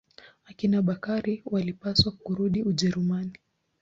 Akina Bakari walipaswa kurudi Ujerumani.